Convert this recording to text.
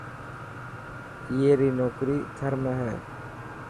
اي ري نوڪري ٿر ۾ هي.